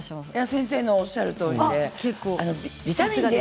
先生のおっしゃるとおりで。